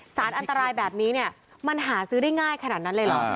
สารอันตรายแบบนี้เนี่ยมันหาซื้อได้ง่ายขนาดนั้นเลยเหรอ